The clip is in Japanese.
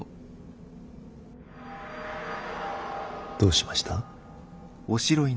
どうしました？